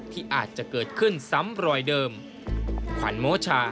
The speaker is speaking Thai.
ที่อาจจะเกิดขึ้นซ้ำรอยเดิม